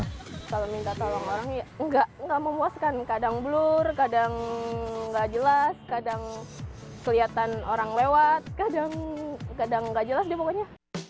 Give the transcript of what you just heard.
kadang blur kadang gak jelas kadang kelihatan orang lewat kadang gak jelas deh pokoknya